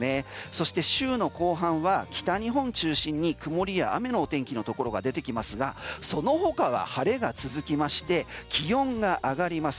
そして週の後半は北日本中心に曇りや雨の天気のところが出てきますがその他は晴れが続きまして気温が上がります。